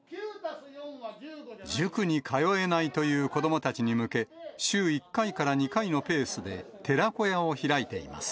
塾に通えないという子どもたちに向け、週１回から２回のペースで寺子屋を開いています。